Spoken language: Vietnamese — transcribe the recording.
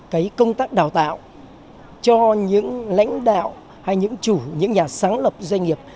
cái công tác đào tạo cho những lãnh đạo hay những chủ những nhà sáng lập doanh nghiệp